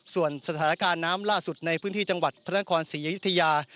ส่วนสถานการณ์น้ำล่าสุดในพื้นที่จังหวัดพระนครศรีอยุธยา